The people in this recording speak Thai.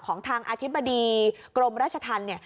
ของทางอธิบดีกรมราชธรรมเนี่ย